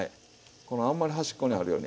このあんまり端っこにあるよりね